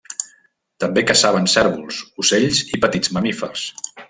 També caçaven cérvols, ocells i petits mamífers.